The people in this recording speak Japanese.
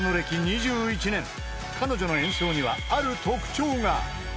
［彼女の演奏にはある特徴が］